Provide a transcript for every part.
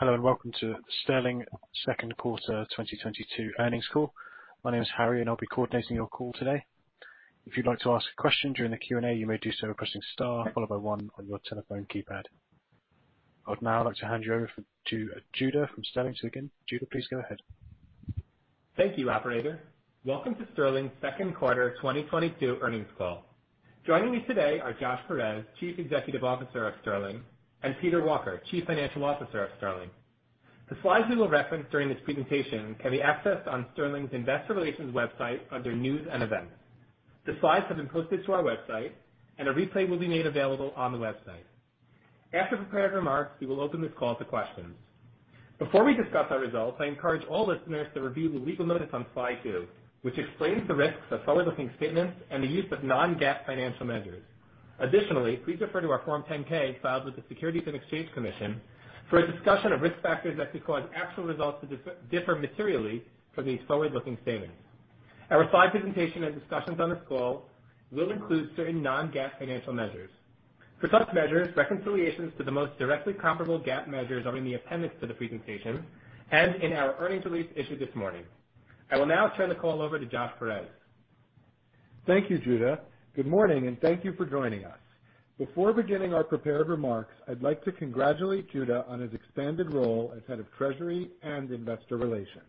Hello, and welcome to Sterling second quarter 2022 Earnings Call. My name is Harry and I'll be coordinating your call today. If you'd like to ask a question during the Q&A, you may do so by pressing star followed by one on your telephone keypad. I'd now like to hand you over to Judah from Sterling. Again, Judah, please go ahead. Thank you, operator. Welcome to Sterling's second quarter 2022 earnings call. Joining me today are Josh Peirez, Chief Executive Officer of Sterling, and Peter Walker, Chief Financial Officer of Sterling. The slides we will reference during this presentation can be accessed on Sterling's investor relations website under News and Events. The slides have been posted to our website and a replay will be made available on the website. After prepared remarks, we will open this call to questions. Before we discuss our results, I encourage all listeners to review the legal notice on slide two, which explains the risks of forward-looking statements and the use of non-GAAP financial measures. Additionally, please refer to our Form 10-K filed with the Securities and Exchange Commission for a discussion of risk factors that could cause actual results to differ materially from these forward-looking statements. Our slide presentation and discussions on this call will include certain non-GAAP financial measures. For such measures, reconciliations to the most directly comparable GAAP measures are in the appendix to the presentation and in our earnings release issued this morning. I will now turn the call over to Josh Peirez. Thank you, Judah. Good morning, and thank you for joining us. Before beginning our prepared remarks, I'd like to congratulate Judah on his expanded role as Head of Treasury and Investor Relations.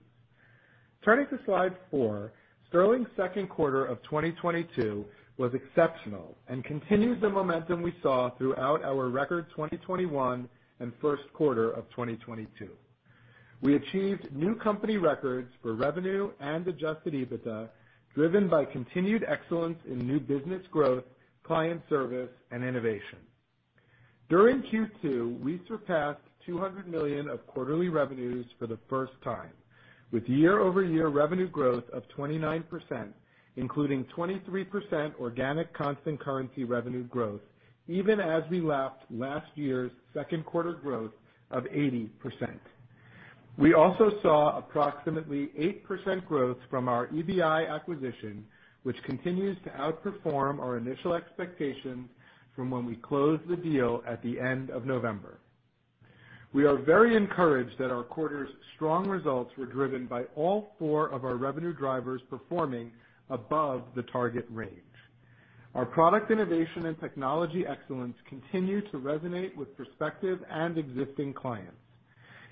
Turning to slide four, Sterling's second quarter of 2022 was exceptional and continues the momentum we saw throughout our record 2021 and first quarter of 2022. We achieved new company records for revenue and adjusted EBITDA, driven by continued excellence in new business growth, client service, and innovation. During Q2, we surpassed $200 million of quarterly revenues for the first time, with year-over-year revenue growth of 29%, including 23% organic constant currency revenue growth, even as we lapped last year's second quarter growth of 80%. We also saw approximately 8% growth from our EBI acquisition, which continues to outperform our initial expectations from when we closed the deal at the end of November. We are very encouraged that our quarter's strong results were driven by all four of our revenue drivers performing above the target range. Our product innovation and technology excellence continue to resonate with prospective and existing clients.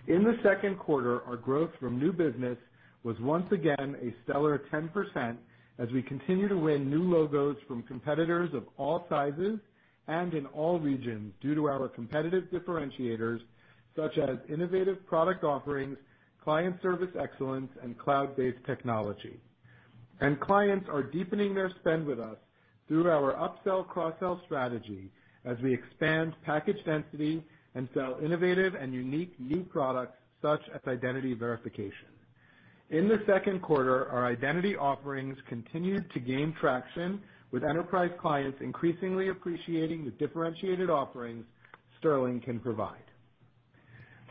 In the second quarter, our growth from new business was once again a stellar 10% as we continue to win new logos from competitors of all sizes and in all regions due to our competitive differentiators such as innovative product offerings, client service excellence, and cloud-based technology. Clients are deepening their spend with us through our upsell, cross-sell strategy as we expand package density and sell innovative and unique new products such as identity verification. In the second quarter, our identity offerings continued to gain traction, with enterprise clients increasingly appreciating the differentiated offerings Sterling can provide.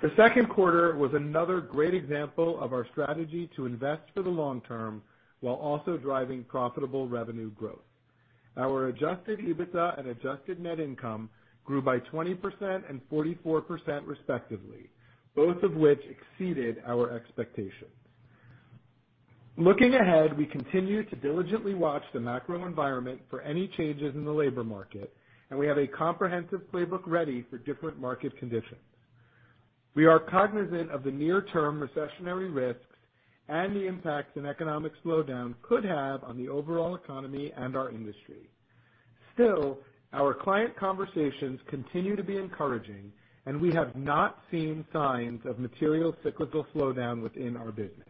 The second quarter was another great example of our strategy to invest for the long-term while also driving profitable revenue growth. Our adjusted EBITDA and adjusted net income grew by 20% and 44% respectively, both of which exceeded our expectations. Looking ahead, we continue to diligently watch the macro environment for any changes in the labor market, and we have a comprehensive playbook ready for different market conditions. We are cognizant of the near-term recessionary risks and the impacts an economic slowdown could have on the overall economy and our industry. Still, our client conversations continue to be encouraging, and we have not seen signs of material cyclical slowdown within our business.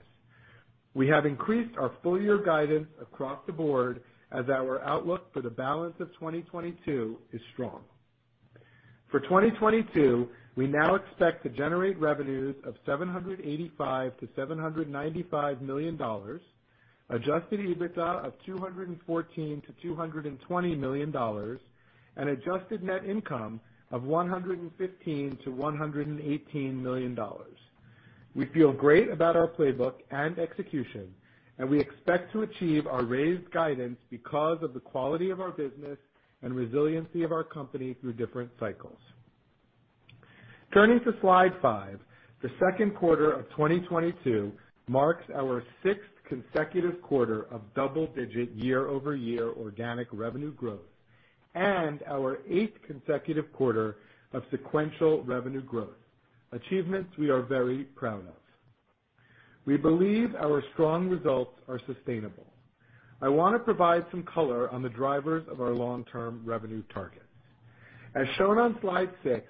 We have increased our full-year guidance across the board as our outlook for the balance of 2022 is strong. For 2022, we now expect to generate revenues of $785 million-$795 million, adjusted EBITDA of $214 million-$220 million, and adjusted net income of $115 million-$118 million. We feel great about our playbook and execution, and we expect to achieve our raised guidance because of the quality of our business and resiliency of our company through different cycles. Turning to slide five, the second quarter of 2022 marks our sixth consecutive quarter of double-digit year-over-year organic revenue growth and our eighth consecutive quarter of sequential revenue growth, achievements we are very proud of. We believe our strong results are sustainable. I wanna provide some color on the drivers of our long-term revenue targets. As shown on slide six,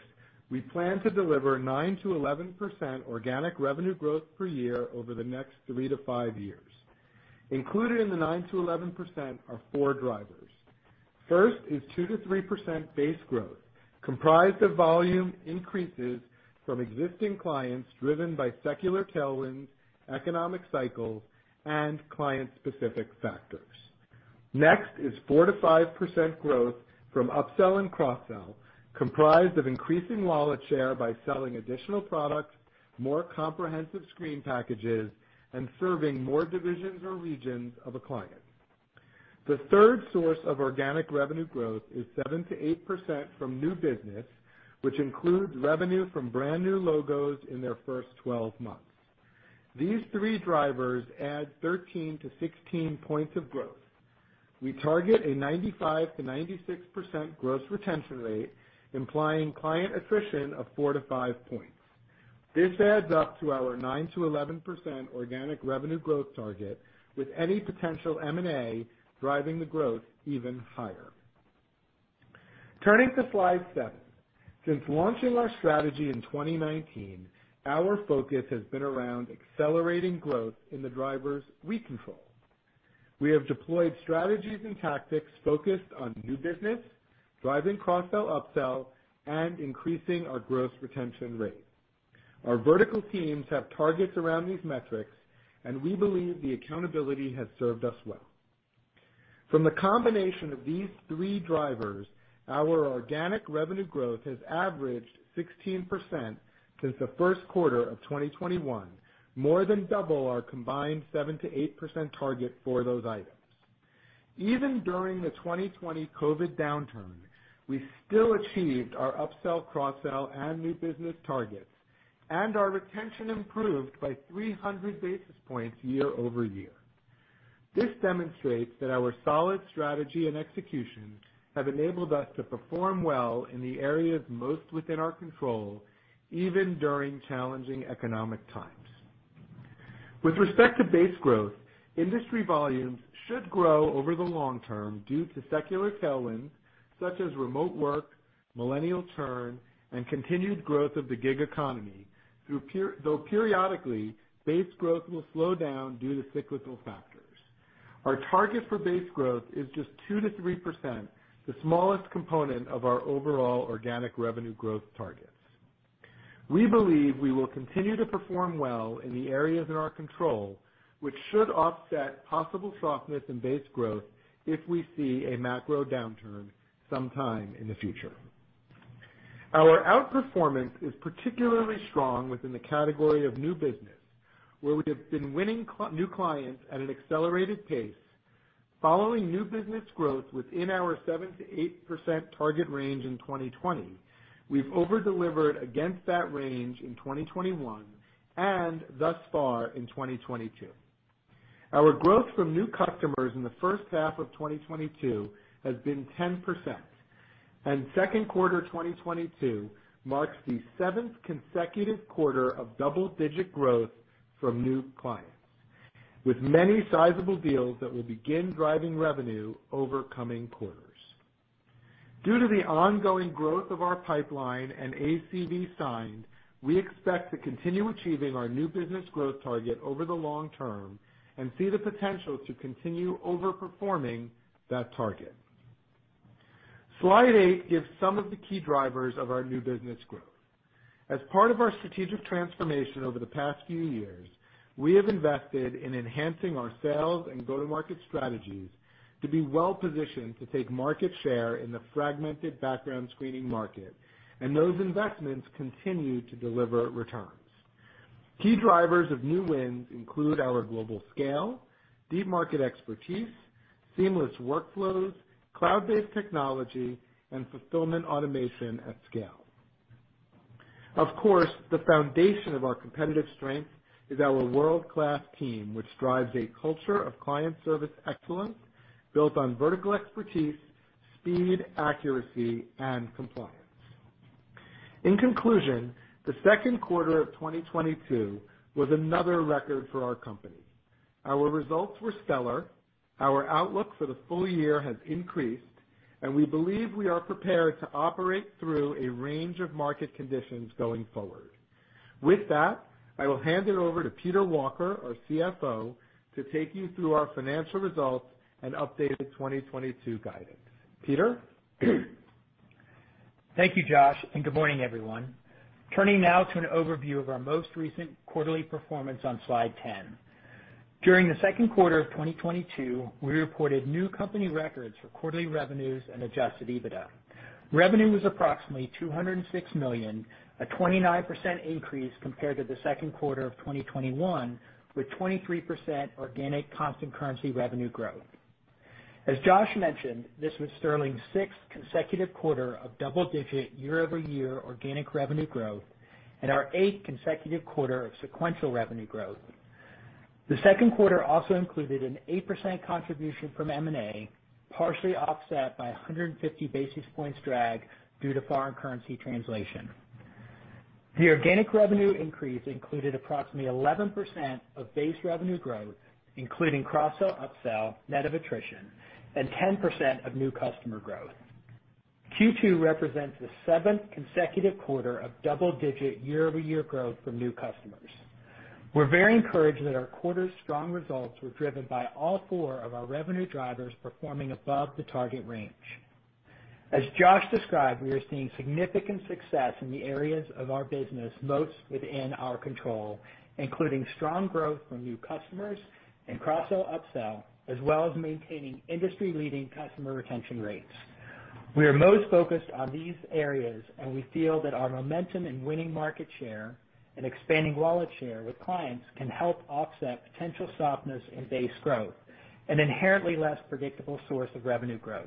we plan to deliver 9%-11% organic revenue growth per year over the next three to five years. Included in the 9%-11% are four drivers. First is 2%-3% base growth, comprised of volume increases from existing clients driven by secular tailwinds, economic cycles, and client-specific factors. Next is 4%-5% growth from upsell and cross-sell, comprised of increasing wallet share by selling additional products, more comprehensive screen packages, and serving more divisions or regions of a client. The third source of organic revenue growth is 7%-8% from new business, which includes revenue from brand new logos in their first 12 months. These three drivers add 13-16 points of growth. We target a 95%-96% gross retention rate, implying client attrition of four to five points. This adds up to our 9%-11% organic revenue growth target, with any potential M&A driving the growth even higher. Turning to slide seven. Since launching our strategy in 2019, our focus has been around accelerating growth in the drivers we control. We have deployed strategies and tactics focused on new business, driving cross-sell/upsell, and increasing our gross retention rate. Our vertical teams have targets around these metrics, and we believe the accountability has served us well. From the combination of these three drivers, our organic revenue growth has averaged 16% since the first quarter of 2021, more than double our combined 7%-8% target for those items. Even during the 2020 COVID downturn, we still achieved our upsell, cross-sell, and new business targets, and our retention improved by 300 basis points year-over-year. This demonstrates that our solid strategy and execution have enabled us to perform well in the areas most within our control, even during challenging economic times. With respect to base growth, industry volumes should grow over the long-term due to secular tailwinds such as remote work, millennial churn, and continued growth of the gig economy, though periodically, base growth will slow down due to cyclical factors. Our target for base growth is just 2%-3%, the smallest component of our overall organic revenue growth targets. We believe we will continue to perform well in the areas in our control, which should offset possible softness in base growth if we see a macro downturn sometime in the future. Our outperformance is particularly strong within the category of new business, where we have been winning new clients at an accelerated pace. Following new business growth within our 7%-8% target range in 2020, we've over-delivered against that range in 2021 and thus far in 2022. Our growth from new customers in the first half of 2022 has been 10%, and second quarter 2022 marks the seventh consecutive quarter of double-digit growth from new clients, with many sizable deals that will begin driving revenue over coming quarters. Due to the ongoing growth of our pipeline and ACV signed, we expect to continue achieving our new business growth target over the long-term and see the potential to continue overperforming that target. Slide eight gives some of the key drivers of our new business growth. As part of our strategic transformation over the past few years, we have invested in enhancing our sales and go-to-market strategies to be well-positioned to take market share in the fragmented background screening market, and those investments continue to deliver returns. Key drivers of new wins include our global scale, deep market expertise, seamless workflows, cloud-based technology, and fulfillment automation at scale. Of course, the foundation of our competitive strength is our world-class team, which drives a culture of client service excellence built on vertical expertise, speed, accuracy, and compliance. In conclusion, the second quarter of 2022 was another record for our company. Our results were stellar. Our outlook for the full year has increased, and we believe we are prepared to operate through a range of market conditions going forward. With that, I will hand it over to Peter Walker, our CFO, to take you through our financial results and updated 2022 guidance. Peter? Thank you, Josh, and good morning, everyone. Turning now to an overview of our most recent quarterly performance on slide 10. During the second quarter of 2022, we reported new company records for quarterly revenues and adjusted EBITDA. Revenue was approximately $206 million, a 29% increase compared to the second quarter of 2021, with 23% organic constant currency revenue growth. As Josh mentioned, this was Sterling's sixth consecutive quarter of double-digit year-over-year organic revenue growth and our eighth consecutive quarter of sequential revenue growth. The second quarter also included an 8% contribution from M&A, partially offset by a 150 basis points drag due to foreign currency translation. The organic revenue increase included approximately 11% of base revenue growth, including cross-sell, upsell, net of attrition, and 10% of new customer growth. Q2 represents the seventh consecutive quarter of double-digit year-over-year growth from new customers. We're very encouraged that our quarter's strong results were driven by all four of our revenue drivers performing above the target range. As Josh described, we are seeing significant success in the areas of our business most within our control, including strong growth from new customers and cross-sell, upsell, as well as maintaining industry-leading customer retention rates. We are most focused on these areas, and we feel that our momentum in winning market share and expanding wallet share with clients can help offset potential softness in base growth, an inherently less predictable source of revenue growth.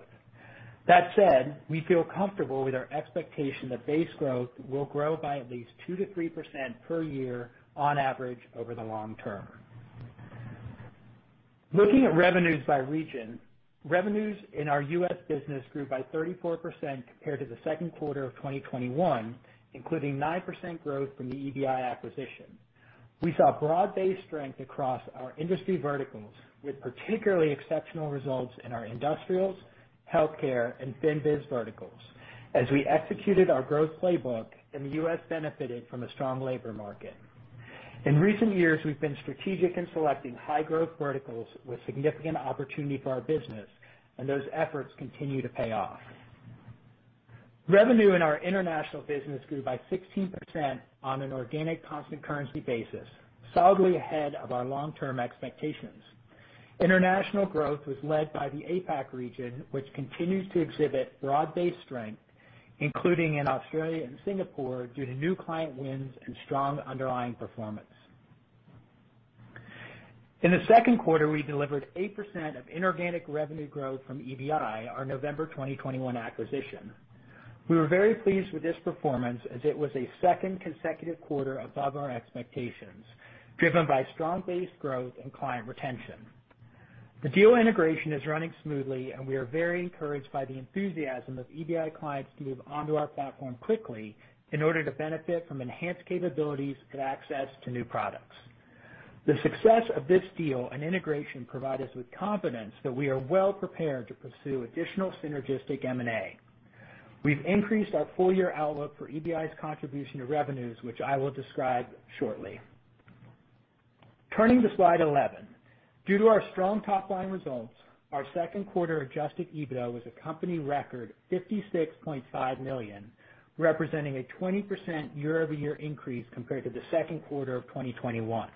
That said, we feel comfortable with our expectation that base growth will grow by at least 2%-3% per year on average over the long-term. Looking at revenues by region, revenues in our U.S. business grew by 34% compared to the second quarter of 2021, including 9% growth from the EBI acquisition. We saw broad-based strength across our industry verticals, with particularly exceptional results in our industrials, healthcare, and FinBiz verticals as we executed our growth playbook and the U.S. benefited from a strong labor market. In recent years, we've been strategic in selecting high growth verticals with significant opportunity for our business, and those efforts continue to pay off. Revenue in our international business grew by 16% on an organic constant currency basis, solidly ahead of our long-term expectations. International growth was led by the APAC region, which continues to exhibit broad-based strength, including in Australia and Singapore, due to new client wins and strong underlying performance. In the second quarter, we delivered 8% inorganic revenue growth from EBI, our November 2021 acquisition. We were very pleased with this performance as it was a second consecutive quarter above our expectations, driven by strong base growth and client retention. The deal integration is running smoothly, and we are very encouraged by the enthusiasm of EBI clients to move onto our platform quickly in order to benefit from enhanced capabilities and access to new products. The success of this deal and integration provide us with confidence that we are well prepared to pursue additional synergistic M&A. We've increased our full-year outlook for EBI's contribution to revenues, which I will describe shortly. Turning to slide 11. Due to our strong top-line results, our second quarter adjusted EBITDA was a company record $56.5 million, representing a 20% year-over-year increase compared to the second quarter of 2021.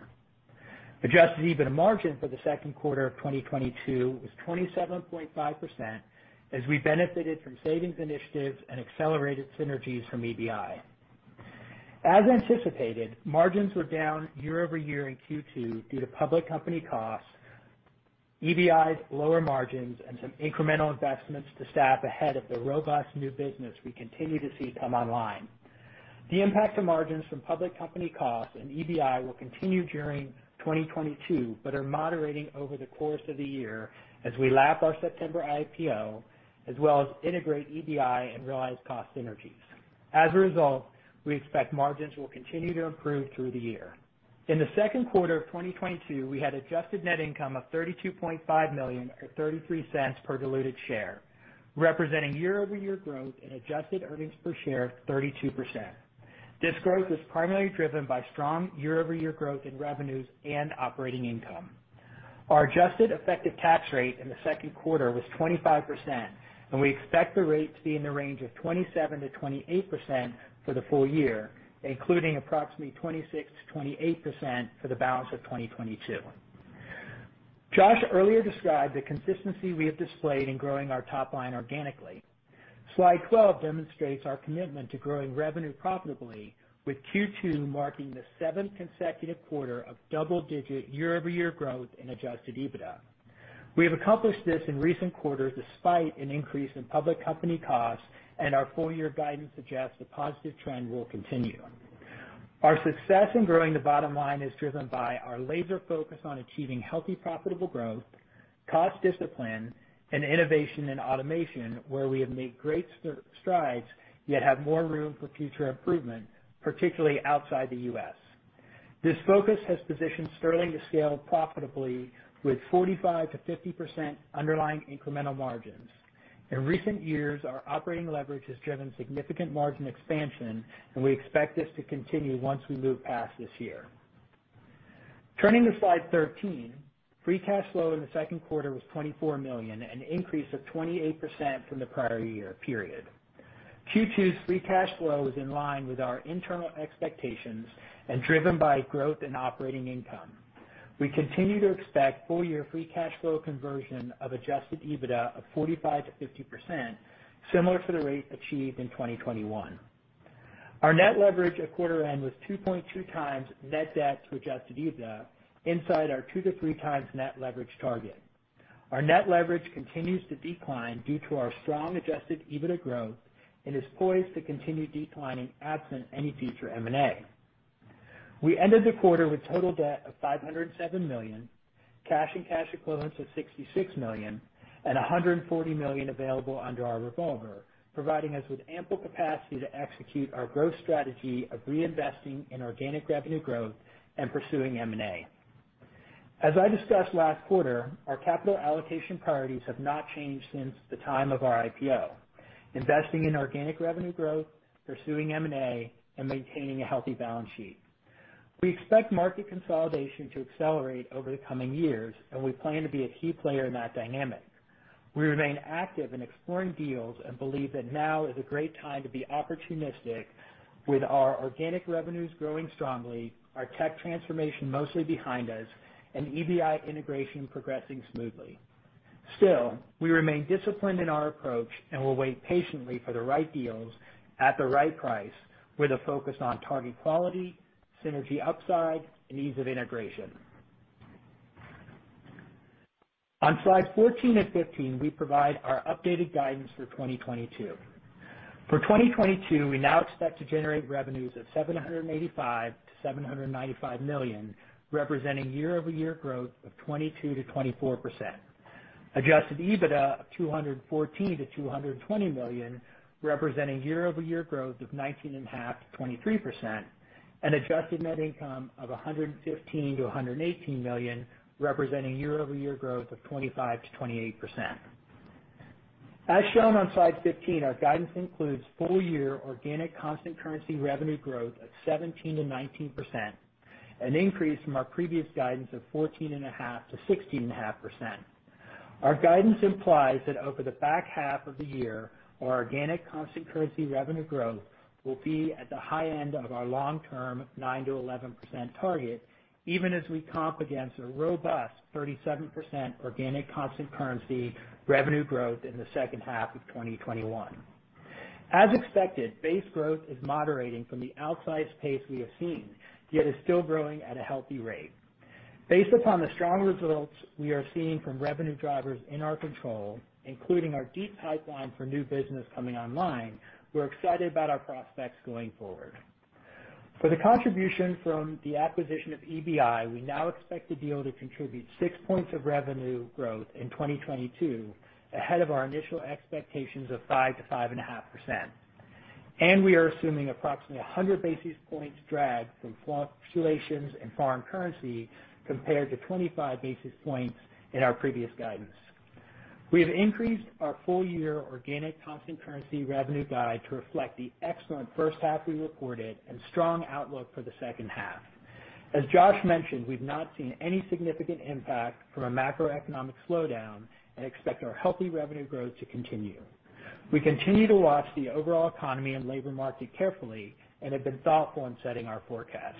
Adjusted EBITDA margin for the second quarter of 2022 was 27.5%, as we benefited from savings initiatives and accelerated synergies from EBI. As anticipated, margins were down year-over-year in Q2 due to public company costs, EBI's lower margins, and some incremental investments to staff ahead of the robust new business we continue to see come online. The impact to margins from public company costs and EBI will continue during 2022, but are moderating over the course of the year as we lap our September IPO, as well as integrate EBI and realize cost synergies. As a result, we expect margins will continue to improve through the year. In the second quarter of 2022, we had adjusted net income of $32.5 million or $0.33 per diluted share, representing year-over-year growth in adjusted earnings per share of 32%. This growth was primarily driven by strong year-over-year growth in revenues and operating income. Our adjusted effective tax rate in the second quarter was 25%, and we expect the rate to be in the range of 27%-28% for the full year, including approximately 26%-28% for the balance of 2022. Josh earlier described the consistency we have displayed in growing our top line organically. Slide 12 demonstrates our commitment to growing revenue profitably with Q2 marking the seventh consecutive quarter of double-digit year-over-year growth in adjusted EBITDA. We have accomplished this in recent quarters despite an increase in public company costs, and our full year guidance suggests the positive trend will continue. Our success in growing the bottom line is driven by our laser focus on achieving healthy, profitable growth, cost discipline, and innovation and automation, where we have made great strides, yet have more room for future improvement, particularly outside the U.S.. This focus has positioned Sterling to scale profitably with 45%-50% underlying incremental margins. In recent years, our operating leverage has driven significant margin expansion, and we expect this to continue once we move past this year. Turning to slide 13, free cash flow in the second quarter was $24 million, an increase of 28% from the prior year period. Q2's free cash flow is in line with our internal expectations and driven by growth in operating income. We continue to expect full year free cash flow conversion of adjusted EBITDA of 45%-50%, similar to the rate achieved in 2021. Our net leverage at quarter end was 2.2x net debt to adjusted EBITDA inside our two to three times net leverage target. Our net leverage continues to decline due to our strong adjusted EBITDA growth and is poised to continue declining absent any future M&A. We ended the quarter with total debt of $507 million, cash and cash equivalents of $66 million, and $140 million available under our revolver, providing us with ample capacity to execute our growth strategy of reinvesting in organic revenue growth and pursuing M&A. As I discussed last quarter, our capital allocation priorities have not changed since the time of our IPO. Investing in organic revenue growth, pursuing M&A, and maintaining a healthy balance sheet. We expect market consolidation to accelerate over the coming years, and we plan to be a key player in that dynamic. We remain active in exploring deals and believe that now is a great time to be opportunistic with our organic revenues growing strongly, our tech transformation mostly behind us, and EBI integration progressing smoothly. Still, we remain disciplined in our approach and will wait patiently for the right deals at the right price with a focus on target quality, synergy upside, and ease of integration. On slide 14 and 15, we provide our updated guidance for 2022. For 2022, we now expect to generate revenues of $785 million-$795 million, representing year-over-year growth of 22%-24%. Adjusted EBITDA of $214 million-$220 million, representing year-over-year growth of 19.5%-23%. Adjusted net income of $115 million-$118 million, representing year-over-year growth of 25%-28%. As shown on slide 15, our guidance includes full year organic constant currency revenue growth of 17%-19%, an increase from our previous guidance of 14.5%-16.5%. Our guidance implies that over the back half of the year, our organic constant currency revenue growth will be at the high end of our long-term 9%-11% target, even as we comp against a robust 37% organic constant currency revenue growth in the second half of 2021. As expected, base growth is moderating from the outsized pace we have seen, yet is still growing at a healthy rate. Based upon the strong results we are seeing from revenue drivers in our control, including our deep pipeline for new business coming online, we're excited about our prospects going forward. For the contribution from the acquisition of EBI, we now expect the deal to contribute six points of revenue growth in 2022, ahead of our initial expectations of 5%-5.5%. We are assuming approximately 100 basis points drag from fluctuations in foreign currency compared to 25 basis points in our previous guidance. We have increased our full year organic constant currency revenue guide to reflect the excellent first half we reported and strong outlook for the second half. As Josh mentioned, we've not seen any significant impact from a macroeconomic slowdown and expect our healthy revenue growth to continue. We continue to watch the overall economy and labor market carefully and have been thoughtful in setting our forecasts.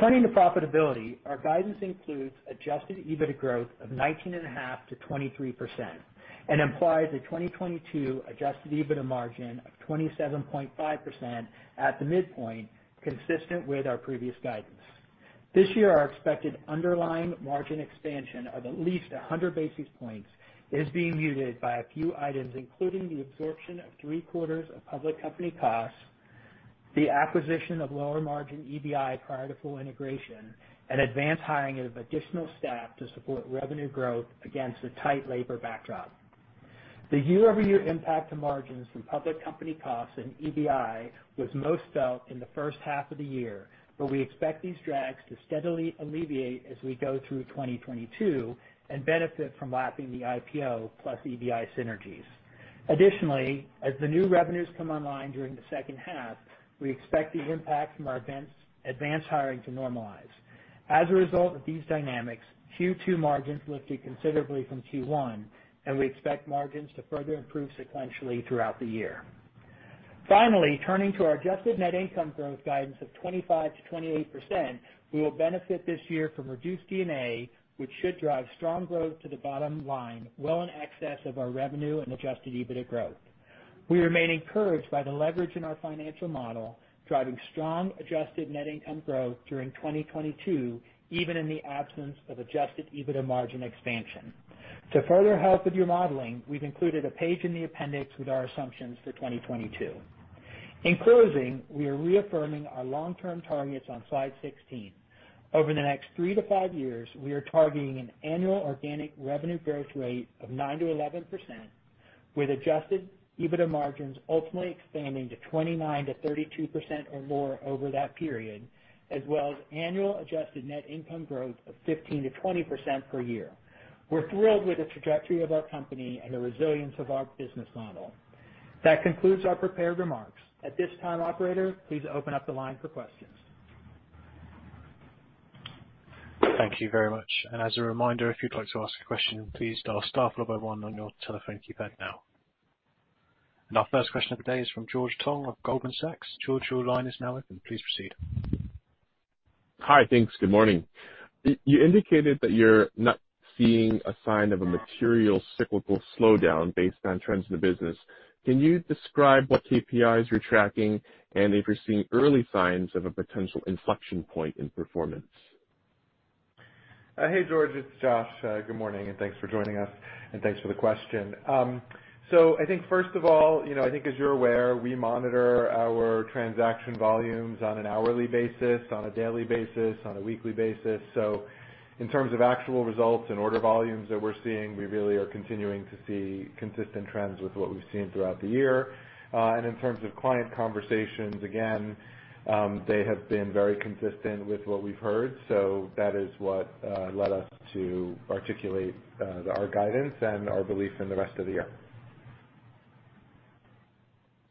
Turning to profitability, our guidance includes adjusted EBITDA growth of 19.5%-23% and implies a 2022 adjusted EBITDA margin of 27.5% at the midpoint, consistent with our previous guidance. This year, our expected underlying margin expansion of at least 100 basis points is being muted by a few items, including the absorption of three-quarters of public company costs, the acquisition of lower margin EBI prior to full integration, and advance hiring of additional staff to support revenue growth against a tight labor backdrop. The year-over-year impact to margins from public company costs and EBI was most felt in the first half of the year, but we expect these drags to steadily alleviate as we go through 2022 and benefit from lapping the IPO plus EBI synergies. Additionally, as the new revenues come online during the second half, we expect the impact from our advance hiring to normalize. As a result of these dynamics, Q2 margins lifted considerably from Q1, and we expect margins to further improve sequentially throughout the year. Finally, turning to our adjusted net income growth guidance of 25%-28%, we will benefit this year from reduced D&A, which should drive strong growth to the bottom line, well in excess of our revenue and adjusted EBITDA growth. We remain encouraged by the leverage in our financial model, driving strong adjusted net income growth during 2022, even in the absence of adjusted EBITDA margin expansion. To further help with your modeling, we've included a page in the appendix with our assumptions for 2022. In closing, we are reaffirming our long-term targets on slide 16. Over the next three to five years, we are targeting an annual organic revenue growth rate of 9%-11%, with adjusted EBITDA margins ultimately expanding to 29%-32% or more over that period, as well as annual adjusted net income growth of 15%-20% per year. We're thrilled with the trajectory of our company and the resilience of our business model. That concludes our prepared remarks. At this time, operator, please open up the line for questions. Thank you very much. As a reminder, if you'd like to ask a question, please dial star four zero one on your telephone keypad now. Our first question of the day is from George Tong of Goldman Sachs. George, your line is now open. Please proceed. Hi. Thanks. Good morning. You indicated that you're not seeing a sign of a material cyclical slowdown based on trends in the business. Can you describe what KPIs you're tracking and if you're seeing early signs of a potential inflection point in performance? Hey, George, it's Josh. Good morning, and thanks for joining us, and thanks for the question. I think first of all, you know, I think as you're aware, we monitor our transaction volumes on an hourly basis, on a daily basis, on a weekly basis. In terms of actual results and order volumes that we're seeing, we really are continuing to see consistent trends with what we've seen throughout the year. In terms of client conversations, again, they have been very consistent with what we've heard. That is what led us to articulate our guidance and our belief in the rest of the year.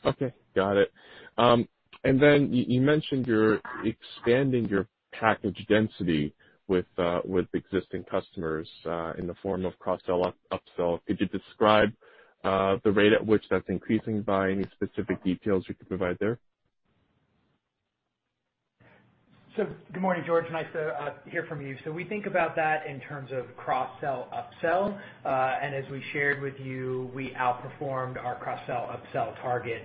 Okay. Got it. You mentioned you're expanding your package density with existing customers in the form of cross-sell, upsell. Could you describe the rate at which that's increasing by? Any specific details you could provide there? Good morning, George. Nice to hear from you. We think about that in terms of cross-sell/upsell. As we shared with you, we outperformed our cross-sell/upsell target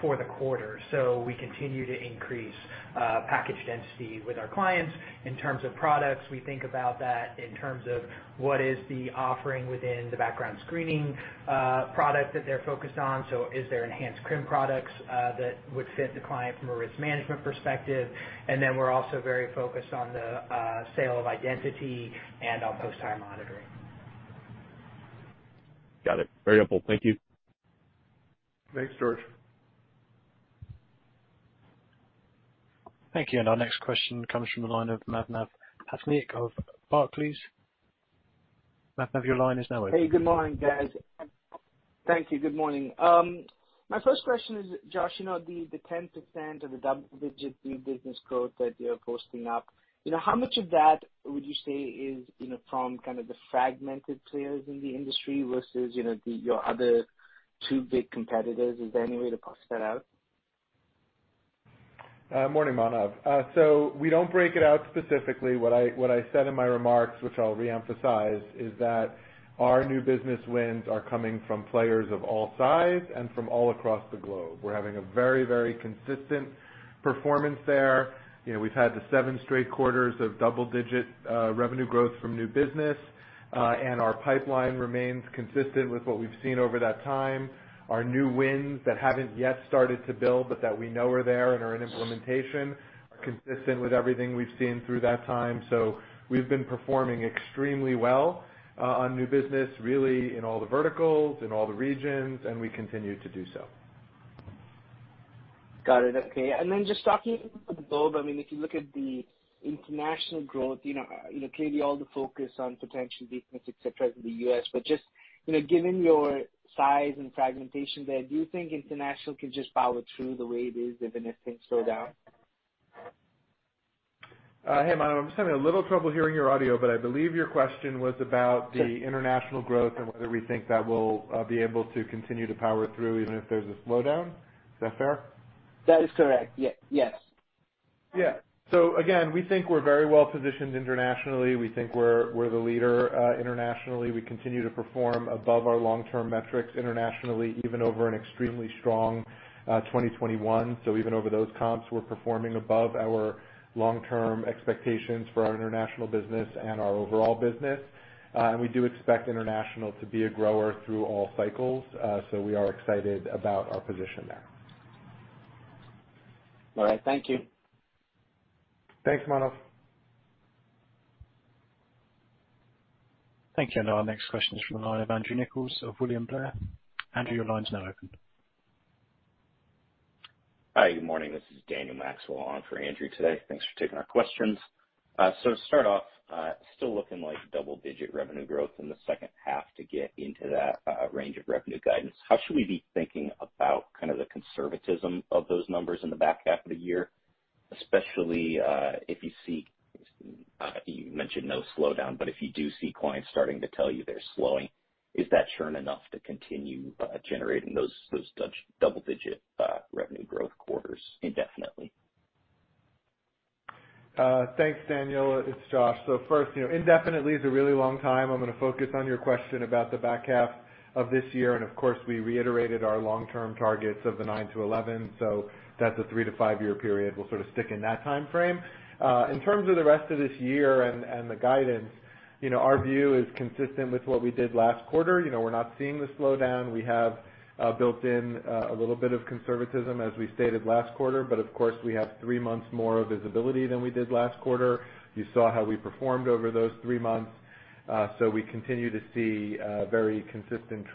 for the quarter. We continue to increase package density with our clients. In terms of products, we think about that in terms of what is the offering within the background screening product that they're focused on. Is there enhanced crim products that would fit the client from a risk management perspective? Then we're also very focused on the sale of identity and on post-hire monitoring. Got it. Very helpful. Thank you. Thanks, George. Thank you. Our next question comes from the line of Manav Patnaik of Barclays. Manav, your line is now open. Hey, good morning, guys. Thank you. Good morning. My first question is, Josh, you know, the 10% or the double-digit new business growth that you're posting up, you know, how much of that would you say is, you know, from kind of the fragmented players in the industry versus, you know, your other two big competitors? Is there any way to parse that out? Morning, Manav. So we don't break it out specifically. What I said in my remarks, which I'll re-emphasize, is that our new business wins are coming from players of all sides and from all across the globe. We're having a very, very consistent performance there. You know, we've had seven straight quarters of double-digit revenue growth from new business, and our pipeline remains consistent with what we've seen over that time. Our new wins that haven't yet started to build but that we know are there and are in implementation are consistent with everything we've seen through that time. We've been performing extremely well on new business, really in all the verticals, in all the regions, and we continue to do so. Got it. Okay. Then just talking about the global, I mean, if you look at the international growth, you know, you know, clearly all the focus on potential weakness, et cetera, in the U.S. But just, you know, given your size and fragmentation there, do you think international can just power through the way it is even if things slow down? Hey, Manav, I'm just having a little trouble hearing your audio, but I believe your question was about the international growth and whether we think that we'll be able to continue to power through even if there's a slowdown. Is that fair? That is correct. Yeah. Yes. Yeah. Again, we think we're very well positioned internationally. We think we're the leader internationally. We continue to perform above our long-term metrics internationally, even over an extremely strong 2021. Even over those comps, we're performing above our long-term expectations for our international business and our overall business. We do expect international to be a grower through all cycles. We are excited about our position there. All right. Thank you. Thanks, Manav. Thank you. Our next question is from the line of Andrew Nicholas of William Blair. Andrew, your line is now open. Hi. Good morning. This is Daniel Maxwell on for Andrew today. Thanks for taking our questions. To start off, still looking like double-digit revenue growth in the second half to get into that range of revenue guidance. How should we be thinking about kind of the conservatism of those numbers in the back half of the year? Especially, if you see, you mentioned no slowdown, but if you do see clients starting to tell you they're slowing, is that churn enough to continue generating those double-digit revenue growth quarters indefinitely? Thanks, Daniel. It's Josh. First, you know, indefinitely is a really long time. I'm gonna focus on your question about the back half of this year. Of course, we reiterated our long-term targets of the 9%-11%, so that's a three- to five-year period. We'll sort of stick in that timeframe. In terms of the rest of this year and the guidance, you know, our view is consistent with what we did last quarter. You know, we're not seeing the slowdown. We have built in a little bit of conservatism, as we stated last quarter, but of course, we have three months more of visibility than we did last quarter. You saw how we performed over those three months. We continue to see very consistent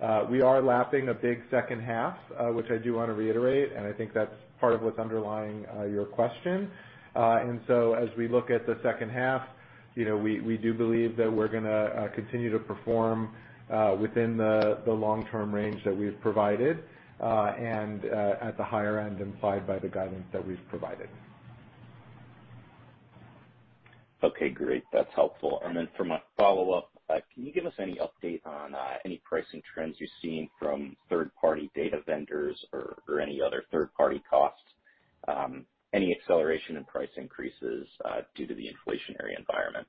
trends. We are lapping a big second half, which I do wanna reiterate, and I think that's part of what's underlying your question. As we look at the second half, you know, we do believe that we're gonna continue to perform within the long-term range that we've provided, and at the higher end implied by the guidance that we've provided. Okay, great. That's helpful. For my follow-up, can you give us any update on any pricing trends you're seeing from third-party data vendors or any other third-party costs? Any acceleration in price increases due to the inflationary environment?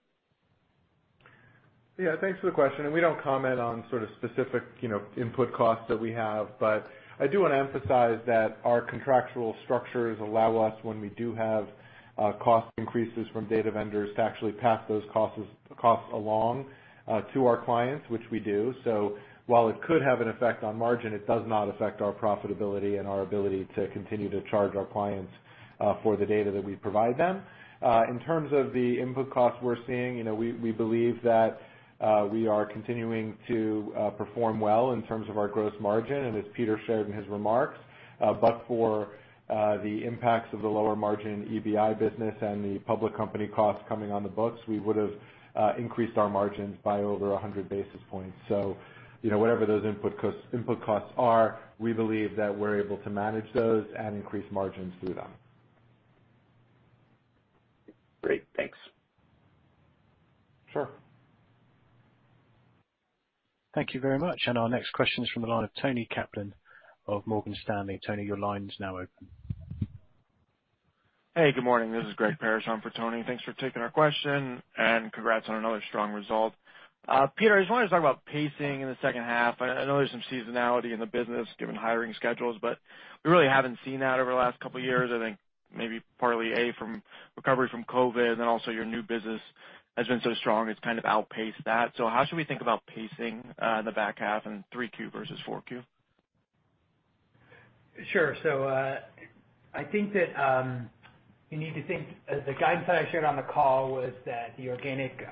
Yeah, thanks for the question, and we don't comment on sort of specific, you know, input costs that we have. I do wanna emphasize that our contractual structures allow us, when we do have, cost increases from data vendors, to actually pass those costs along, to our clients, which we do. While it could have an effect on margin, it does not affect our profitability and our ability to continue to charge our clients, for the data that we provide them. In terms of the input costs we're seeing, you know, we believe that, we are continuing to, perform well in terms of our gross margin. As Peter shared in his remarks, but for the impacts of the lower margin EBI business and the public company costs coming on the books, we would've increased our margins by over 100 basis points. You know, whatever those input costs are, we believe that we're able to manage those and increase margins through them. Great. Thanks. Sure. Thank you very much. Our next question is from the line of Toni Kaplan of Morgan Stanley. Toni, your line is now open. Hey, good morning. This is Greg Parrish on for Toni. Thanks for taking our question and congrats on another strong result. Peter, I just wanted to talk about pacing in the second half. I know there's some seasonality in the business given hiring schedules, but we really haven't seen that over the last couple of years. I think maybe partly from recovery from COVID, and then also your new business has been so strong, it's kind of outpaced that. How should we think about pacing in the back half in 3Q versus 4Q? Sure. I think that you need to think the guidance that I shared on the call was that the organic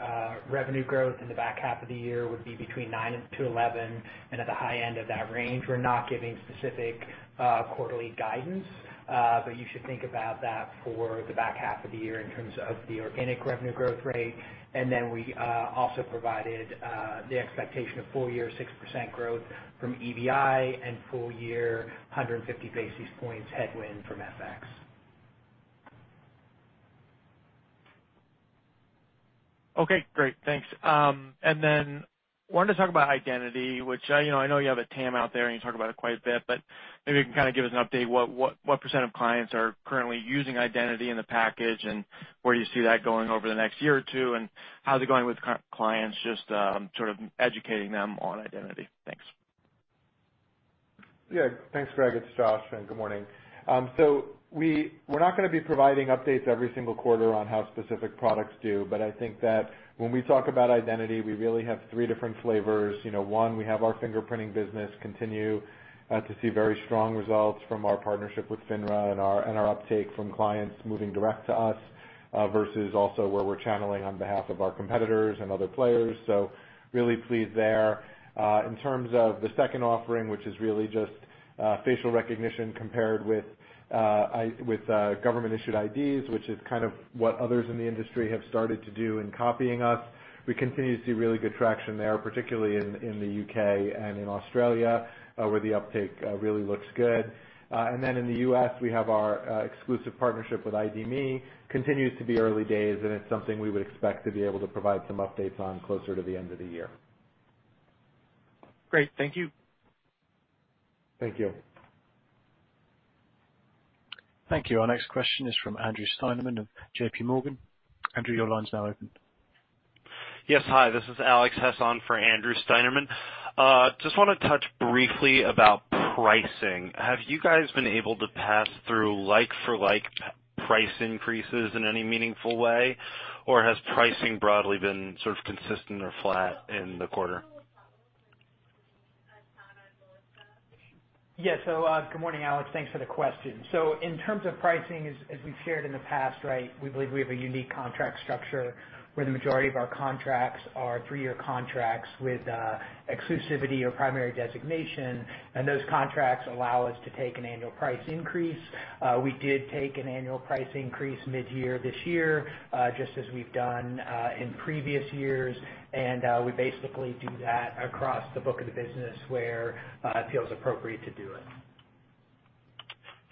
revenue growth in the back half of the year would be between 9%-11%. At the high end of that range, we're not giving specific quarterly guidance, but you should think about that for the back half of the year in terms of the organic revenue growth rate. Then we also provided the expectation of full year 6% growth from EBI and full year 150 basis points headwind from FX. Okay, great. Thanks. Wanted to talk about identity, which I, you know, I know you have a TAM out there, and you talk about it quite a bit, but maybe you can kind of give us an update what percent of clients are currently using identity in the package and where do you see that going over the next year or two, and how's it going with clients just, sort of educating them on identity? Thanks. Yeah. Thanks, Greg. It's Josh, and good morning. We're not gonna be providing updates every single quarter on how specific products do, but I think that when we talk about identity, we really have three different flavors. You know, one, we have our fingerprinting business continue to see very strong results from our partnership with FINRA and our uptake from clients moving direct to us versus also where we're channeling on behalf of our competitors and other players. Really pleased there. In terms of the second offering, which is really just facial recognition compared with government-issued IDs, which is kind of what others in the industry have started to do in copying us, we continue to see really good traction there, particularly in the U.K. and in Australia, where the uptake really looks good. In the U.S., we have our exclusive partnership with ID.me. Continues to be early days, and it's something we would expect to be able to provide some updates on closer to the end of the year. Great. Thank you. Thank you. Thank you. Our next question is from Andrew Steinerman of J.P. Morgan. Andrew, your line's now open. Yes. Hi, this is Alex Hess on for Andrew Steinerman. Just wanna touch briefly about pricing. Have you guys been able to pass through like-for-like price increases in any meaningful way, or has pricing broadly been sort of consistent or flat in the quarter? Yeah. Good morning, Alex. Thanks for the question. In terms of pricing, as we've shared in the past, right, we believe we have a unique contract structure where the majority of our contracts are three-year contracts with exclusivity or primary designation, and those contracts allow us to take an annual price increase. We did take an annual price increase mid-year this year, just as we've done in previous years. We basically do that across the book of the business where it feels appropriate to do it.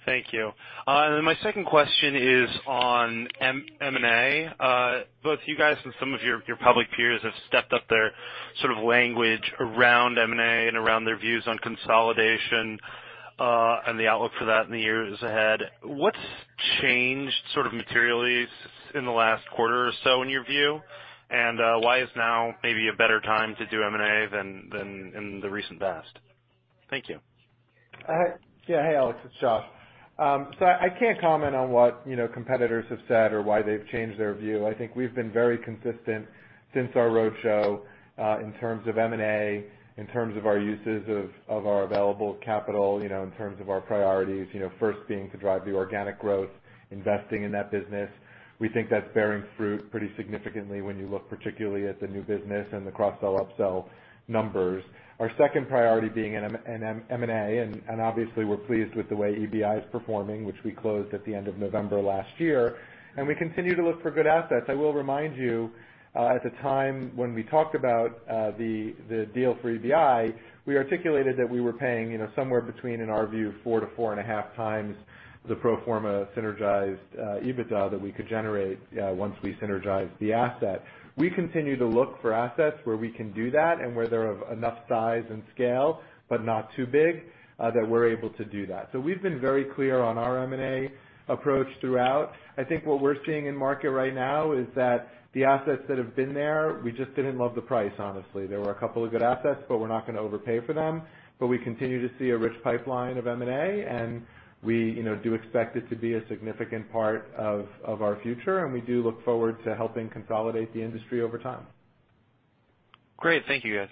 Thank you. My second question is on M&A. Both you guys and some of your public peers have stepped up their sort of language around M&A and around their views on consolidation, and the outlook for that in the years ahead. What's changed sort of materially since in the last quarter or so in your view? Why is now maybe a better time to do M&A than in the recent past? Thank you. Hey, Alex Hess, it's Josh Peirez. So I can't comment on what, you know, competitors have said or why they've changed their view. I think we've been very consistent since our roadshow in terms of M&A, in terms of our uses of our available capital, you know, in terms of our priorities, you know, first being to drive the organic growth, investing in that business. We think that's bearing fruit pretty significantly when you look particularly at the new business and the cross-sell, up-sell numbers. Our second priority being in M&A, and obviously we're pleased with the way EBI is performing, which we closed at the end of November last year. We continue to look for good assets. I will remind you, at the time when we talked about, the deal for EBI, we articulated that we were paying, you know, somewhere between, in our view, 4-4.5x the pro forma synergized EBITDA that we could generate, once we synergize the asset. We continue to look for assets where we can do that and where they're of enough size and scale, but not too big, that we're able to do that. We've been very clear on our M&A approach throughout. I think what we're seeing in market right now is that the assets that have been there, we just didn't love the price, honestly. There were a couple of good assets, but we're not gonna overpay for them. We continue to see a rich pipeline of M&A, and we, you know, do expect it to be a significant part of our future, and we do look forward to helping consolidate the industry over time. Great. Thank you, guys.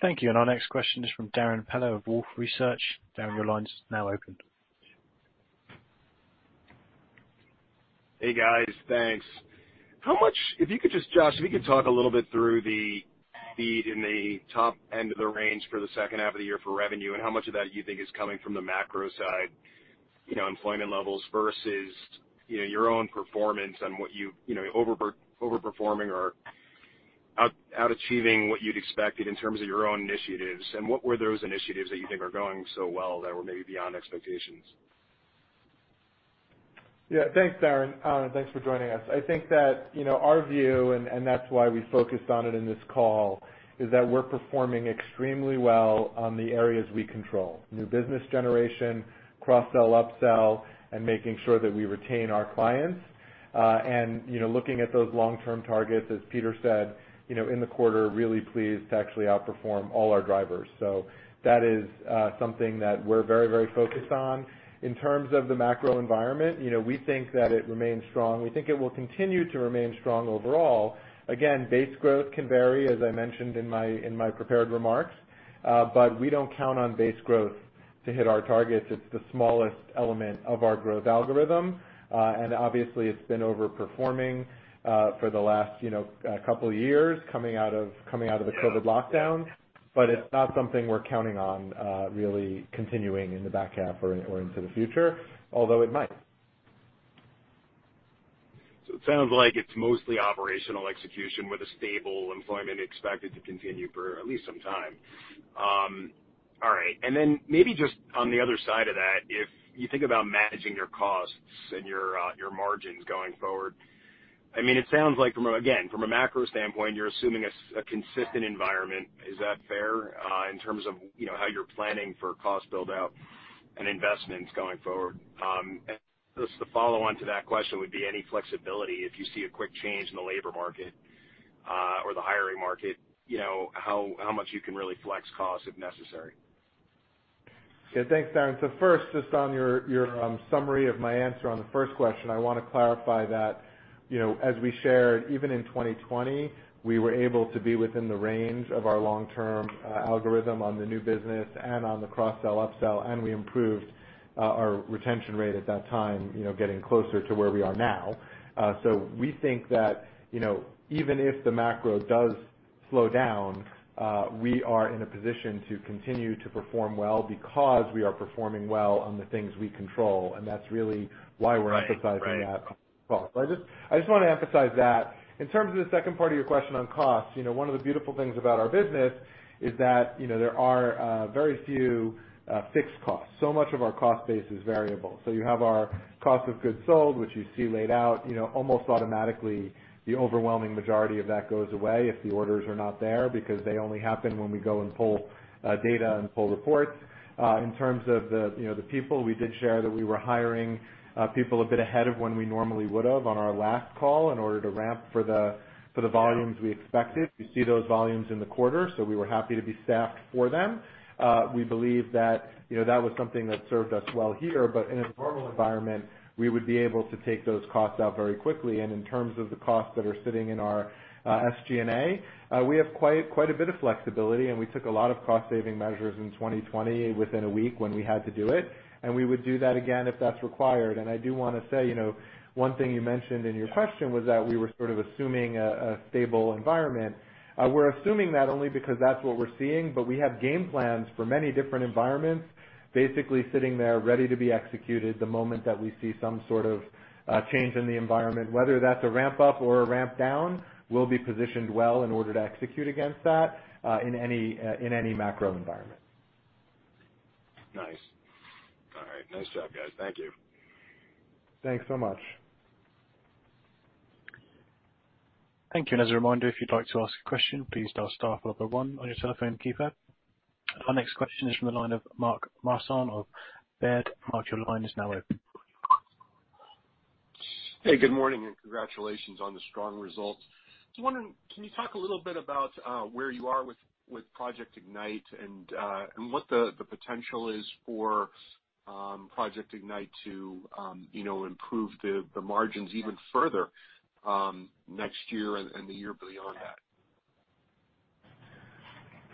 Thank you. Our next question is from Darrin Peller of Wolfe Research. Darrin, your line is now open. Hey, guys. Thanks. How much, if you could just, Josh, if you could talk a little bit through the speed in the top end of the range for the second half of the year for revenue and how much of that you think is coming from the macro side, you know, employment levels versus, you know, your own performance and what you know, overperforming or out-achieving what you'd expected in terms of your own initiatives. What were those initiatives that you think are going so well that were maybe beyond expectations? Yeah. Thanks, Darrin. And thanks for joining us. I think that, you know, our view, and that's why we focused on it in this call, is that we're performing extremely well on the areas we control, new business generation, cross-sell/upsell, and making sure that we retain our clients. You know, looking at those long-term targets, as Peter said, you know, in the quarter, really pleased to actually outperform all our drivers. That is, something that we're very, very focused on. In terms of the macro environment, you know, we think that it remains strong. We think it will continue to remain strong overall. Again, base growth can vary, as I mentioned in my prepared remarks, but we don't count on base growth to hit our targets. It's the smallest element of our growth algorithm, and obviously, it's been overperforming for the last, you know, couple years coming out of the COVID lockdown. It's not something we're counting on really continuing in the back half or into the future, although it might. It sounds like it's mostly operational execution with a stable employment expected to continue for at least some time. All right. Maybe just on the other side of that, if you think about managing your costs and your margins going forward, I mean, it sounds like again, from a macro standpoint, you're assuming a consistent environment. Is that fair, in terms of, you know, how you're planning for cost build-out and investments going forward? Just the follow-on to that question would be any flexibility if you see a quick change in the labor market, or the hiring market, you know, how much you can really flex costs if necessary. Yeah. Thanks, Aaron. First, just on your summary of my answer on the first question, I wanna clarify that, you know, as we shared, even in 2020, we were able to be within the range of our long-term algorithm on the new business and on the cross-sell, upsell, and we improved our retention rate at that time, you know, getting closer to where we are now. We think that, you know, even if the macro does slow down, we are in a position to continue to perform well because we are performing well on the things we control, and that's really why we're emphasizing that. Right. Right. On this call. I just wanna emphasize that. In terms of the second part of your question on costs, you know, one of the beautiful things about our business is that, you know, there are very few fixed costs. Much of our cost base is variable. You have our cost of goods sold, which you see laid out. You know, almost automatically, the overwhelming majority of that goes away if the orders are not there because they only happen when we go and pull data and pull reports. In terms of the, you know, the people, we did share that we were hiring people a bit ahead of when we normally would've on our last call in order to ramp for the volumes we expected. You see those volumes in the quarter, so we were happy to be staffed for them. We believe that, you know, that was something that served us well here. In a normal environment, we would be able to take those costs out very quickly. In terms of the costs that are sitting in our SG&A, we have quite a bit of flexibility, and we took a lot of cost saving measures in 2020 within a week when we had to do it, and we would do that again if that's required. I do wanna say, you know, one thing you mentioned in your question was that we were sort of assuming a stable environment. We're assuming that only because that's what we're seeing, but we have game plans for many different environments basically sitting there ready to be executed the moment that we see some sort of change in the environment. Whether that's a ramp-up or a ramp-down, we'll be positioned well in order to execute against that in any macro environment. Nice. All right. Nice job, guys. Thank you. Thanks so much. Thank you. As a reminder, if you'd like to ask a question, please dial star followed by one on your telephone keypad. Our next question is from the line of Mark Marcon of Baird. Mark, your line is now open. Hey, good morning, and congratulations on the strong results. I was wondering, can you talk a little bit about where you are with Project Ignite and what the potential is for Project Ignite to you know improve the margins even further next year and the year beyond that?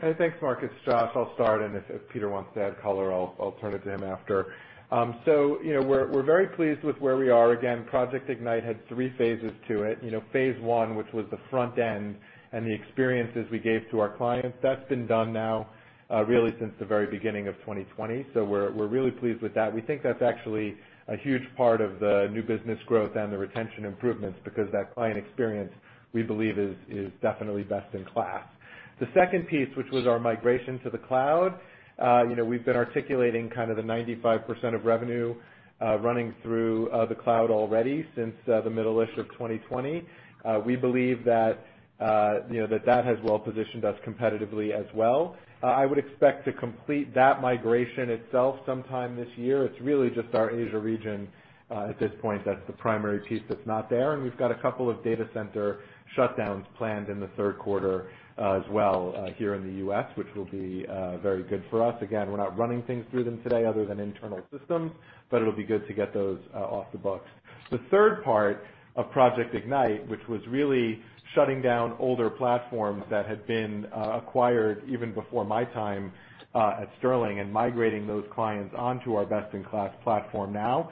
Hey, thanks, Mark. It's Josh. I'll start, and if Peter wants to add color, I'll turn it to him after. You know, we're very pleased with where we are. Again, Project Ignite had three phases to it. You know, phase one, which was the front end and the experiences we gave to our clients, that's been done now, really since the very beginning of 2020, so we're really pleased with that. We think that's actually a huge part of the new business growth and the retention improvements because that client experience, we believe, is definitely best in class. The second piece, which was our migration to the cloud, you know, we've been articulating kind of the 95% of revenue running through the cloud already since the middle-ish of 2020. We believe that, you know, that has well positioned us competitively as well. I would expect to complete that migration itself sometime this year. It's really just our Asia region at this point that's the primary piece that's not there, and we've got a couple of data center shutdowns planned in the third quarter as well here in the U.S., which will be very good for us. Again, we're not running things through them today other than internal systems, but it'll be good to get those off the books. The third part of Project Ignite, which was really shutting down older platforms that had been acquired even before my time at Sterling and migrating those clients onto our best-in-class platform now,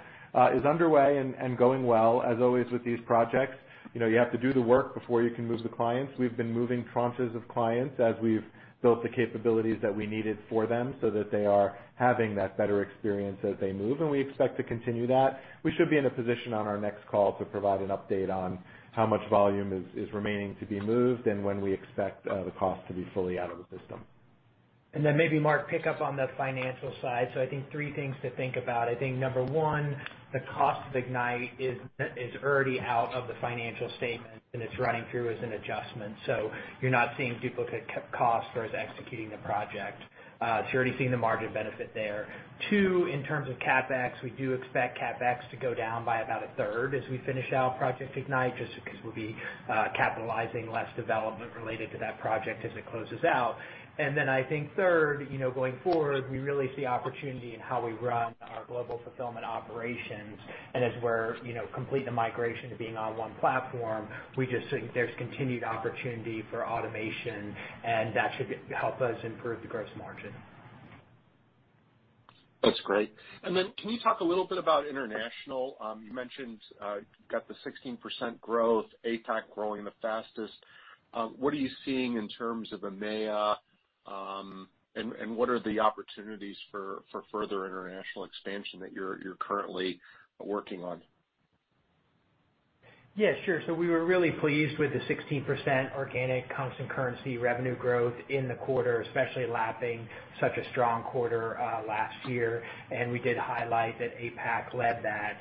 is underway and going well. As always with these projects, you know, you have to do the work before you can move the clients. We've been moving tranches of clients as we've built the capabilities that we needed for them so that they are having that better experience as they move, and we expect to continue that. We should be in a position on our next call to provide an update on how much volume is remaining to be moved and when we expect the cost to be fully out of the system. Maybe Mark, pick up on the financial side. I think three things to think about. I think number one, the cost of Ignite is already out of the financial statement, and it's running through as an adjustment. You're not seeing duplicate cost for us executing the project. You're already seeing the margin benefit there. Two, in terms of CapEx, we do expect CapEx to go down by about a third as we finish out Project Ignite, just because we'll be capitalizing less development related to that project as it closes out. I think third, you know, going forward, we really see opportunity in how we run our global fulfillment operations. As we're, you know, complete the migration to being on one platform, we just think there's continued opportunity for automation, and that should help us improve the gross margin. That's great. Can you talk a little bit about international? You mentioned you got the 16% growth, APAC growing the fastest. What are you seeing in terms of EMEA? And what are the opportunities for further international expansion that you're currently working on? Yeah, sure. We were really pleased with the 16% organic constant currency revenue growth in the quarter, especially lapping such a strong quarter last year. We did highlight that APAC led that.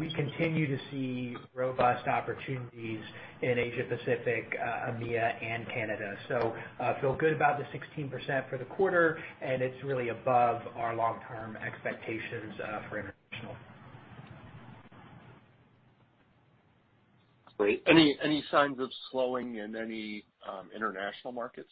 We continue to see robust opportunities in Asia Pacific, EMEA, and Canada. Feel good about the 16% for the quarter, and it's really above our long-term expectations for international. Great. Any signs of slowing in any international markets?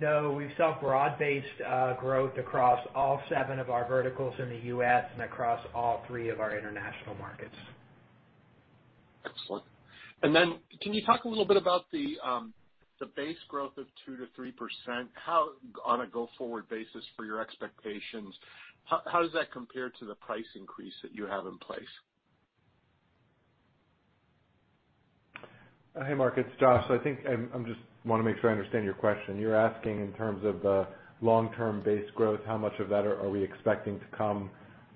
No. We saw broad-based growth across all seven of our verticals in the U.S. and across all three of our international markets. Excellent. Can you talk a little bit about the base growth of 2%-3%? On a go-forward basis for your expectations, how does that compare to the price increase that you have in place? Hey, Mark, it's Josh. I think I'm just wanna make sure I understand your question. You're asking in terms of long-term base growth, how much of that are we expecting to come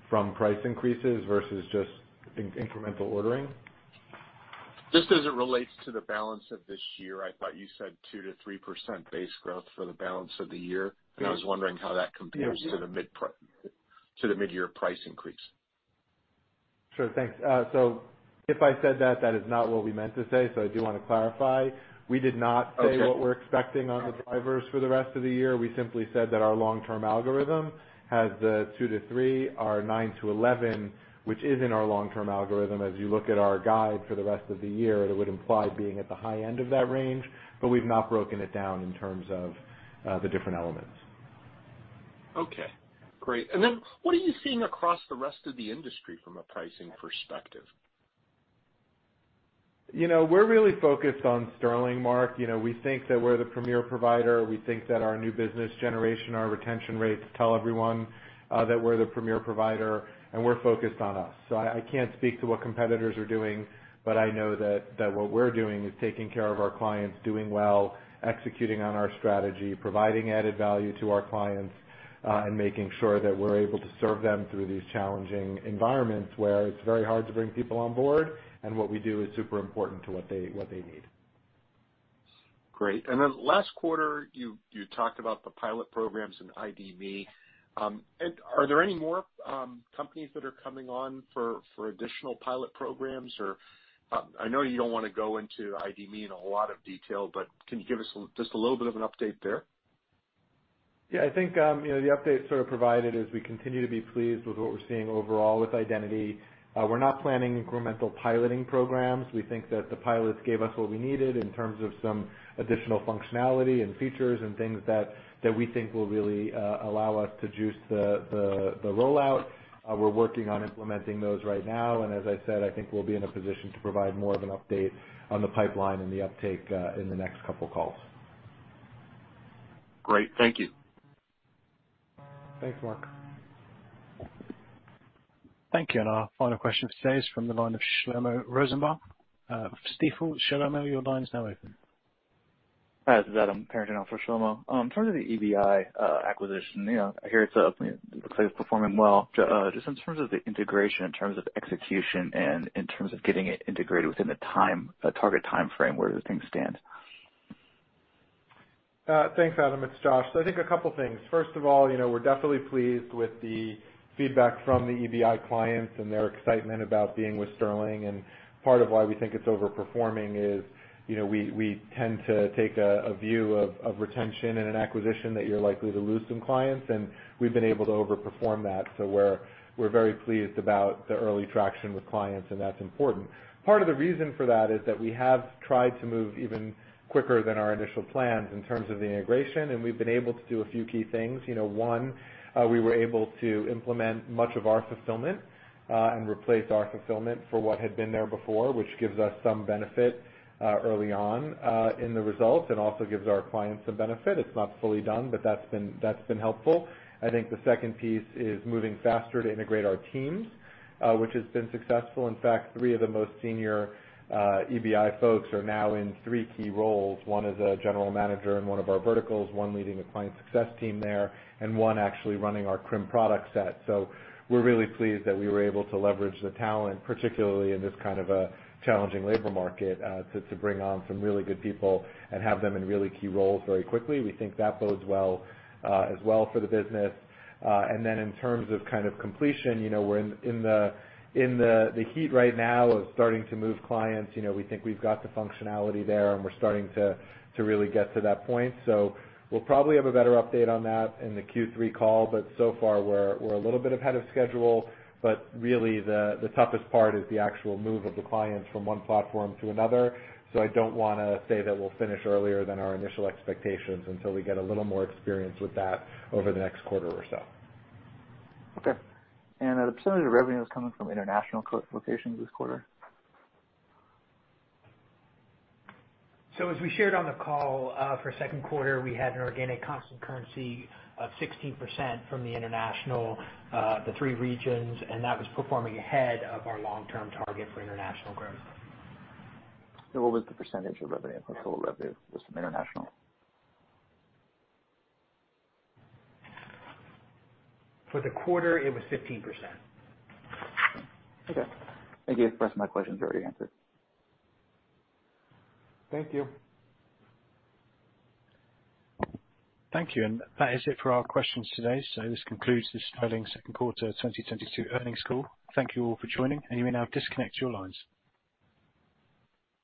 from price increases versus just incremental ordering? Just as it relates to the balance of this year. I thought you said 2%-3% base growth for the balance of the year. I was wondering how that compares to the mid-year price increase. Sure. Thanks. If I said that is not what we meant to say, so I do wanna clarify. We did not say what we're expecting on the drivers for the rest of the year. We simply said that our long-term algorithm has the 2%-3%, our 9%-11%, which is in our long-term algorithm. As you look at our guide for the rest of the year, it would imply being at the high end of that range, but we've not broken it down in terms of the different elements. Okay, great. What are you seeing across the rest of the industry from a pricing perspective? You know, we're really focused on Sterling, Mark. You know, we think that we're the premier provider. We think that our new business generation, our retention rates tell everyone that we're the premier provider, and we're focused on us. I can't speak to what competitors are doing, but I know that what we're doing is taking care of our clients, doing well, executing on our strategy, providing added value to our clients, and making sure that we're able to serve them through these challenging environments where it's very hard to bring people on board, and what we do is super important to what they need. Great. Then last quarter you talked about the pilot programs in IDV. Are there any more companies that are coming on for additional pilot programs? I know you don't wanna go into IDV in a lot of detail, but can you give us just a little bit of an update there? Yeah, I think you know, the update sort of provided is we continue to be pleased with what we're seeing overall with identity. We're not planning incremental piloting programs. We think that the pilots gave us what we needed in terms of some additional functionality and features and things that we think will really allow us to juice the rollout. We're working on implementing those right now, and as I said, I think we'll be in a position to provide more of an update on the pipeline and the uptake in the next couple calls. Great. Thank you. Thanks, Mark. Thank you. Our final question today is from the line of Shlomo Rosenbaum. Stifel, Shlomo, your line is now open. Hi, this is Adam Parrington in for Shlomo. In terms of the EBI acquisition, you know, I hear it's looks like it's performing well. Just in terms of the integration, in terms of execution, and in terms of getting it integrated within the target timeframe, where do things stand? Thanks, Adam. It's Josh. I think a couple things. First of all, you know, we're definitely pleased with the feedback from the EBI clients and their excitement about being with Sterling. Part of why we think it's overperforming is, you know, we tend to take a view of retention in an acquisition that you're likely to lose some clients, and we've been able to overperform that. We're very pleased about the early traction with clients, and that's important. Part of the reason for that is that we have tried to move even quicker than our initial plans in terms of the integration, and we've been able to do a few key things. You know, one, we were able to implement much of our fulfillment and replace our fulfillment for what had been there before, which gives us some benefit early on in the results and also gives our clients some benefit. It's not fully done, but that's been helpful. I think the second piece is moving faster to integrate our teams, which has been successful. In fact, three of the most senior EBI folks are now in three key roles. One is a general manager in one of our verticals, one leading the client success team there, and one actually running our crim product set. We're really pleased that we were able to leverage the talent, particularly in this kind of a challenging labor market, to bring on some really good people and have them in really key roles very quickly. We think that bodes well as well for the business. In terms of kind of completion, you know, we're in the heat right now of starting to move clients. You know, we think we've got the functionality there, and we're starting to really get to that point. We'll probably have a better update on that in the Q3 call, but so far we're a little bit ahead of schedule, but really the toughest part is the actual move of the clients from one platform to another. I don't wanna say that we'll finish earlier than our initial expectations until we get a little more experience with that over the next quarter or so. Okay. What percentage of revenue is coming from international locations this quarter? As we shared on the call, for second quarter, we had an organic constant currency of 16% from the international, the three regions, and that was performing ahead of our long-term target for international growth. What was the percentage of revenue, total revenue just from international? For the quarter, it was 15%. Okay. Thank you. The rest of my questions are already answered. Thank you. Thank you. That is it for our questions today. This concludes the Sterling second quarter 2022 earnings call. Thank you all for joining, and you may now disconnect your lines.